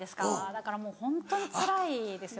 だからもうホントにつらいですよね。